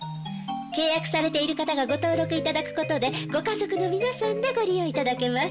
契約されている方がご登録いただくことでご家族の皆さんでご利用いただけます。